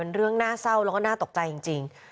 เรื่องน่าเศร้าแล้วก็น่าตกใจจริง